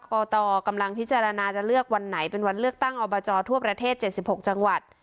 กตกำลังพิจารณาจะเลือกวันไหนเป็นวันเลือกตั้งอบจทั่วประเทศ๗๖จังหวัด